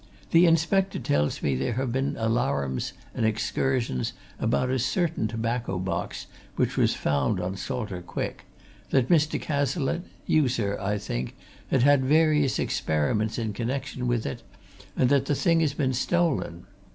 The inspector tells me there have been alarums and excursions about a certain tobacco box which was found on Salter Quick, that Mr. Cazalette you, sir, I think had had various experiments in connection with it, and that the thing has been stolen.